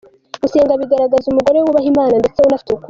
Gusenga bigaragaza umugore wubaha Imana, ndetse unafite urukundo.